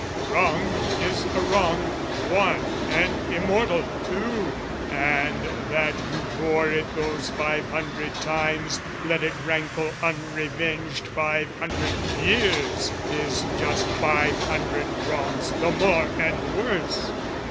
The wrong is a wrong, one and immortal too, And that you bore it those five hundred times, Let it rankle unrevenged five hundred years, Is just five hundred wrongs the more and worse!